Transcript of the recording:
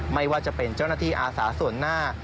ไม่ว่าจะเป็นเจ้าหน้าที่อาสาส่วนหน้า